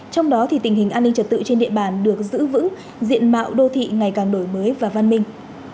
trong đó tình hình an ninh trật tự trên địa bàn được giữ vững diện mạo đô thị ngày càng đổi mới và văn minh